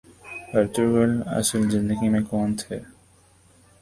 Ertugrul اصل زندگی میں کون تھے